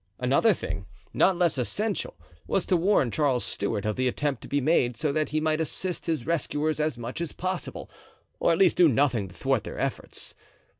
Another thing, not less essential, was to warn Charles Stuart of the attempt to be made, so that he might assist his rescuers as much as possible, or at least do nothing to thwart their efforts.